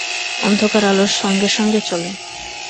অন্ধকার আলোর সঙ্গে সঙ্গে চলে।